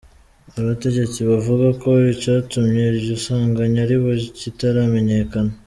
Abategetsi bavuga ko icatumye iryo sanganya riba kitaramenyekana.